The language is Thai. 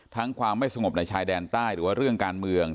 ความไม่สงบในชายแดนใต้หรือว่าเรื่องการเมือง